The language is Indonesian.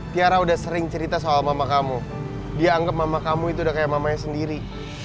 tiara udah sering cerita soal mama kamu dia anggap mama kamu itu udah kayak mamanya sendiri